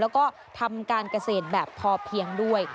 แล้วก็ทำการเกษตรแบบพอเพียงด้วย